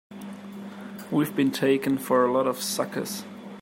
We've been taken for a lot of suckers!